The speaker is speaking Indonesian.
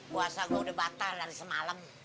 puasa gue udah batal dari semalam